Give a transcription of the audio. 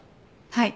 はい。